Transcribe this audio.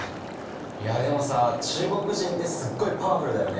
いやでもさ中国人ってすっごいパワフルだよね！